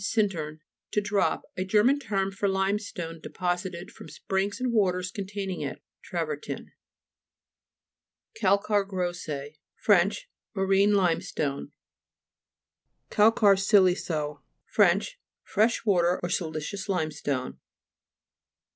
sinlern, to drop. A German term for limestone de posited from springs and waters containing it. Travertin. CALCA'IRE GROSS'IER Fr. Marine limestone. CALCA'IRE SILI'CEUX Fr. Fresh water or siliceous limestone.